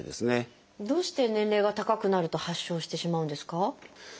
どうして年齢が高くなると発症してしまうんですか？